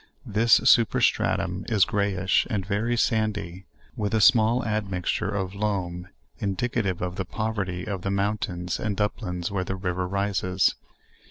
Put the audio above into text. This superstratum is greyish, and very sandy, with a small ad mixture of loam, indicative of the poverty of the moun tains and uplands where the river rises.